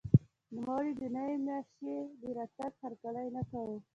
نوموړي د نوې ماشیۍ د راتګ هرکلی نه کاوه.